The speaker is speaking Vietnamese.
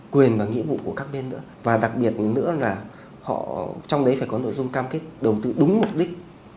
quyền và nghĩa vụ của các bên nữa và đặc biệt nữa là họ trong đấy phải có nội dung cam kết đầu tư đúng mục đích